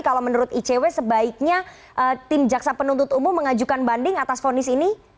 kalau menurut icw sebaiknya tim jaksa penuntut umum mengajukan banding atas fonis ini